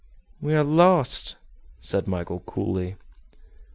"We are lost!" said Michel coolly.